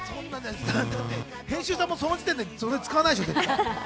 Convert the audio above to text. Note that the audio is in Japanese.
編集さんもその時点でそれ使わないでしょ。